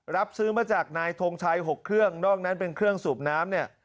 รับซื้อมาจากนายทงชัย๖เครื่องนอกนั้นเป็นเครื่องสูบน้ำเนี่ย